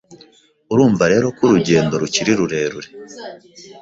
Urumva rero ko urugendo rukiri rurerure